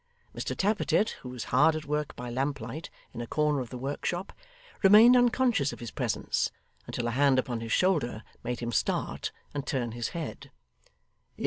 Mr Tappertit, who was hard at work by lamplight, in a corner of the workshop, remained unconscious of his presence until a hand upon his shoulder made him start and turn his head.